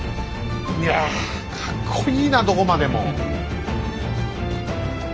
いやかっこいいなどこまでも！